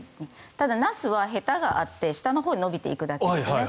ただ、ナスはへたがあって下のほうに伸びていくだけですよね。